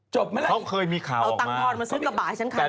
จบมาแล้วเอาตังค์พรมาซื้อกระบายฉันขันได้ไหม